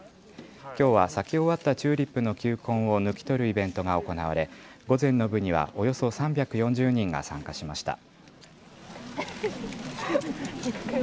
きょうは咲き終わったチューリップの球根を抜き取るイベントが行われ、午前の部にはおよそ３４０人が参加しました。